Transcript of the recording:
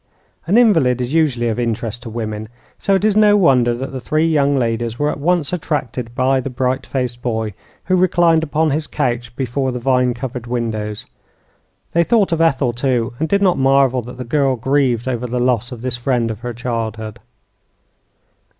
An invalid is usually of interest to women, so it is no wonder that the three young ladies were at once attracted by the bright faced boy, who reclined upon his couch before the vine covered windows. They thought of Ethel, too, and did not marvel that the girl grieved over the loss of this friend of her childhood.